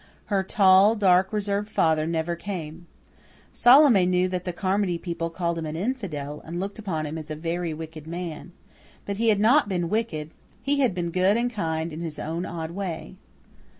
Her tall, dark, reserved father never came. Salome knew that the Carmody people called him an infidel, and looked upon him as a very wicked man. But he had not been wicked; he had been good and kind in his own odd way.